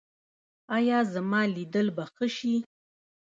ایا زما لیدل به ښه شي؟